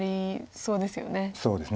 そうですね。